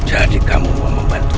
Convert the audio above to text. jadi kamu mau membantu